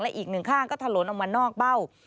และอีก๑ข้างก็ถลนออกมานอกเบ้า